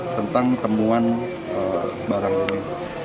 tentang temuan barang ini